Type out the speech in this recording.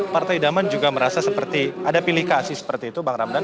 partai daman juga merasa seperti ada pilikasi seperti itu bang ramdan